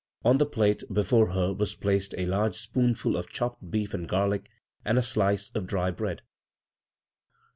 On Jie plate before her were placed a large spoonful of chopped beef and garlic, and a jlice of dry bread.